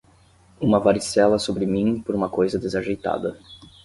Uma varicela sobre mim por uma coisa desajeitada.